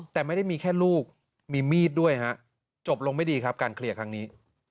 แต่ไม่ได้มีแค่ลูกมีมีดด้วยฮะจบลงไม่ดีครับการเคลียร์ครั้งนี้